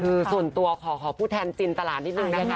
คือส่วนตัวขอพูดแทนจินตลาดนิดนึงนะคะ